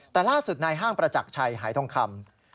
แต่ล่าสุดนายห้างประจักรชัยหายทองคำ